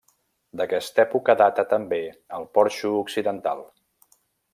D'aquesta època data també el porxo occidental.